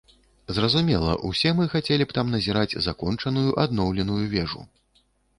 Зразумела, усе мы хацелі б там назіраць закончаную адноўленую вежу.